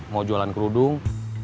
mau jualan kerudung